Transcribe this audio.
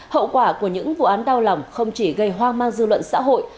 hậu quả của những vụ án đau lòng không chỉ gây hoang mang dư luận xã hội